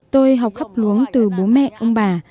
tôi học khắp luống từ bố mẹ ông bà